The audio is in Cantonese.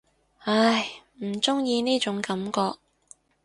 唉，唔中意呢種感覺